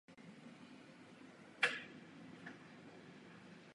Díky tomu umožňují přesněji interpretovat současnost i minulost v kontextech.